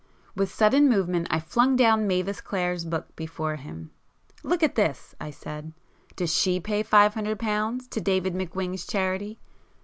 With a sudden movement I flung down Mavis Clare's book before him. "Look at this"—I said—"Does she pay five hundred pounds to David McWhing's charity?"